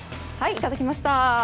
いただきました。